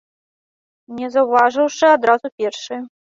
Не заўважыўшы адразу першы.